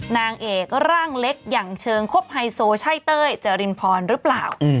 นางเอกร่างเล็กอย่างเชิงคบไฮโซใช่เต้ยเจรินพรหรือเปล่า